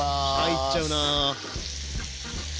入っちゃうな。